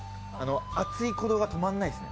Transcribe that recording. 熱い鼓動が止まらないですね。